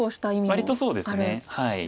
割とそうですね。